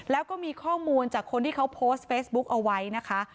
แล้วก็มีข้อมูลจากคนที่เขาโพสต์เฟซบุ๊กเอาไว้นะคะ